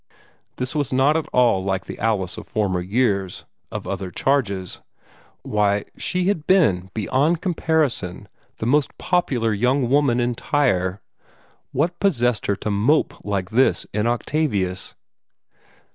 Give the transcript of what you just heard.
This was not at all like the Alice of former years, of other charges. Why, she had been, beyond comparison, the most popular young woman in Tyre. What possessed her to mope like this in Octavius?